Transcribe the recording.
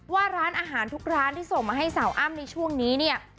ว่าร้านอาหารทุกร้านที่ส่งมาให้สาวอ้ำในช่วงนี้เนี่ย